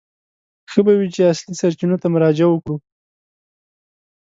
ښه به وي چې اصلي سرچینو ته مراجعه وکړو.